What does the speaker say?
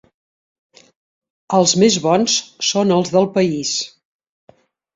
Els més bons són els del país.